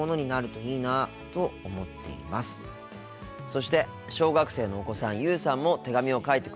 そして小学生のお子さん優羽さんも手紙を書いてくれました。